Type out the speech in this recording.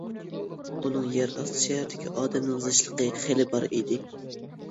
ئۇنىڭ يەر ئاستى شەھىرىدىكى ئادەمنىڭ زىچلىقى خېلى بار ئىدى.